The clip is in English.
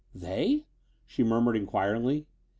"They?" she murmured inquiringly.